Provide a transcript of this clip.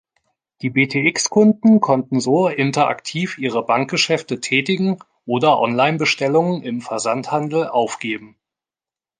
Die Btx-Kunden konnten so interaktiv ihre Bankgeschäfte tätigen oder Online-Bestellungen im Versandhandel aufgeben.